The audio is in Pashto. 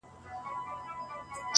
پټیږي که امي دی که مُلا په کرنتین کي!